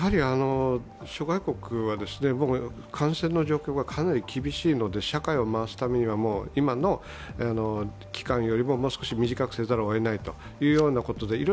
諸外国は感染の状況がかなり厳しいので社会を回すためには今の期間よりももう少し短くせざるをえないと。